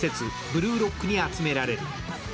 ブルーロックに集められる。